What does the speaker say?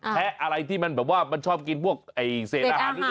แทะอะไรที่มันแบบว่ามันชอบกินพวกเศษอาหารอยู่ที่นั่น